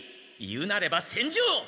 言うなれば戦場！